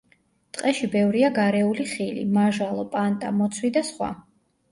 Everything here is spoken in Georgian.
ტყეში ბევრია გარეული ხილი: მაჟალო, პანტა, მოცვი და სხვა.